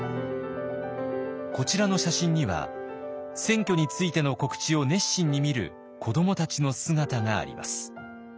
こちらの写真には選挙についての告知を熱心に見る子どもたちの姿があります。